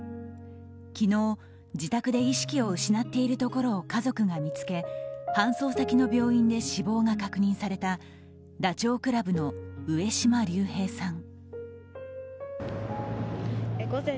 昨日、自宅で意識を失っているところを家族が見つけ、搬送先の病院で死亡が確認されたダチョウ倶楽部の上島竜兵さん。